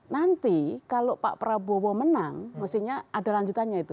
nanti kalau pak prabowo menang mestinya ada lanjutannya itu